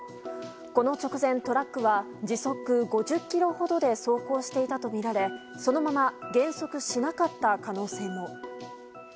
この直前、トラックは時速５０キロほどで走行していたとみられそのまま減速しなかった可能性も。